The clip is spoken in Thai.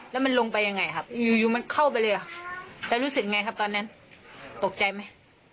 แล้วมันลงไปยังไงครับอยู่อยู่มันเข้าไปเลยแล้วรู้สึกไงครับตอนนั้นตกใจไหม